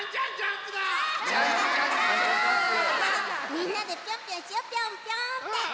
みんなでピョンピョンしようピョンピョンって。